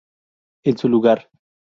En su lugar.